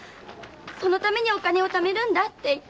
そのためにお金を貯めるんだ」って。